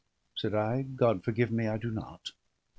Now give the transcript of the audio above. said I. "God forgive me, I do not."